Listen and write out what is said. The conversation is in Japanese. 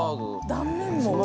断面も。